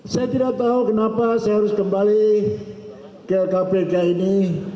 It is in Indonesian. saya tidak tahu kenapa saya harus kembali ke kpk ini